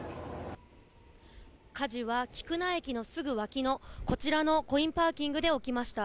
火事は菊名駅のすぐわきの、こちらのコインパーキングで起きました。